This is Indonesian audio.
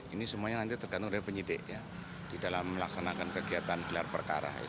ini semuanya nanti tergantung dari penyidik ya di dalam melaksanakan kegiatan gelar perkara